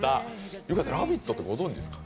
ユカイさん、「ラヴィット！」ってご存じですか？